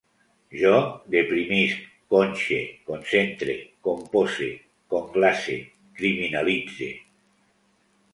Jo deprimisc, conxe, concentre, compose, conglace, criminalitze